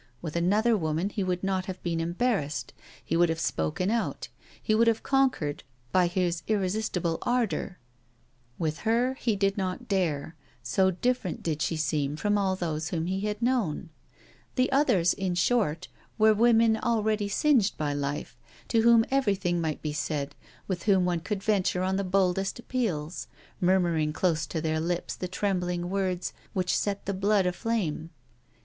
With another woman he would not have been embarrassed; he would have spoken out; he would have conquered by his irresistible ardor; with her he did not dare, so different did she seem from all those whom he had known. The others, in short, were women already singed by life, to whom everything might be said, with whom one could venture on the boldest appeals, murmuring close to their lips the trembling words which set the blood aflame.